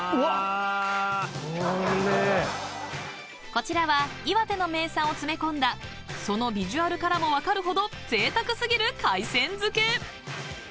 ［こちらは岩手の名産を詰め込んだそのビジュアルからも分かるほどぜいたく過ぎる海鮮漬け］